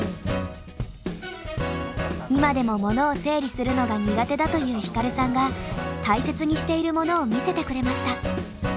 今でもモノを整理するのが苦手だというヒカルさんが大切にしているものを見せてくれました。